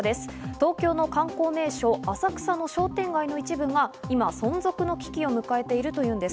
東京の観光名所、浅草の商店街の一部が今、存続の危機を迎えているというんです。